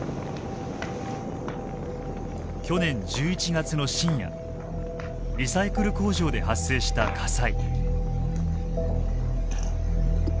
去年１１月の深夜リサイクル工場で発生した火災。